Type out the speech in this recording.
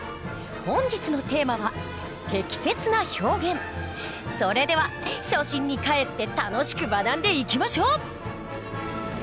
本日のテーマはそれでは初心にかえって楽しく学んでいきましょう。